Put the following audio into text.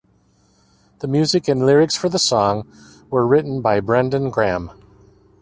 The music and lyrics for the song were written by Brendan Graham.